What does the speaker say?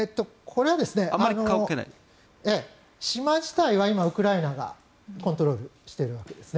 これは島自体は今、ウクライナがコントロールしているわけです。